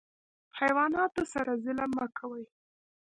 حیواناتو سره ظلم مه کوئ